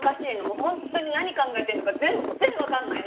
もう本当に何考えてるのか全然わかんないの。